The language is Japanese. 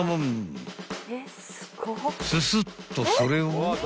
［ススッとそれを］